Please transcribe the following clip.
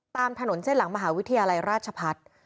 ตามถนนเส้นหลังมหาวิทยาลัยราชพัฒน์